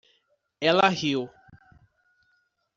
Ela riu.